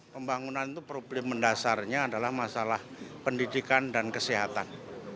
pembangunan itu problem mendasarnya adalah masalah pendidikan dan kesehatan